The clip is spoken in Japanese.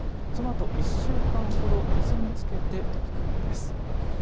そのあと１週間ほど水につけていくんです。